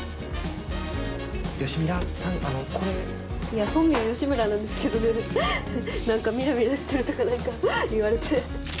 いや本名は吉村なんですけどね何かミラミラしてるとか何か言われて。